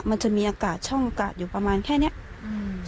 มันจะมีอากาศช่องอากาศอยู่ประมาณแค่เนี้ยอืม